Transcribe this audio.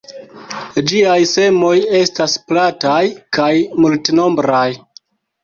Ĝiaj semoj estas plataj kaj multnombraj.